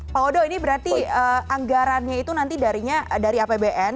pak odo ini berarti anggarannya itu nanti dari apbn